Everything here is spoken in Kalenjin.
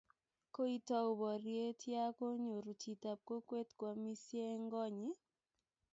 koitou boriet ya konyoru chitab kokwet ko amisie eng' koot nyin